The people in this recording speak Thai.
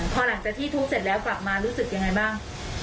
พอหลังจากที่ทุบเสร็จแล้วกลับมารู้สึกยังไงบ้าง